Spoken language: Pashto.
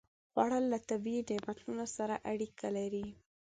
خوړل له طبیعي نعمتونو سره اړیکه لري